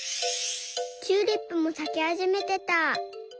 チューリップもさきはじめてた。